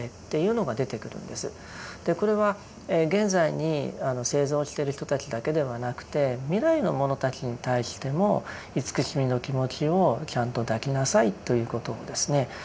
これは現在に生存してる人たちだけではなくて未来のものたちに対しても慈しみの気持ちをちゃんと抱きなさいということをですね